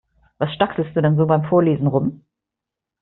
Was stackselst du denn so beim Vorlesen rum?